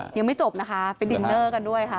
ยังไม่จบนะคะไปดินเนอร์กันด้วยค่ะ